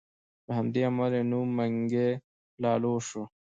له همدې امله یې نوم منګی لالو شو.